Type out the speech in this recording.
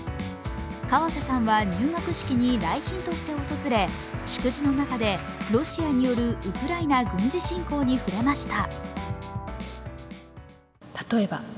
河瀬さんは入学式に来賓として訪れ、祝辞の中でロシアによるウクライナ軍事侵攻に触れました。